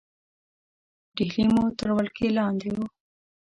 ډهلی مو تر ولکې لاندې وو.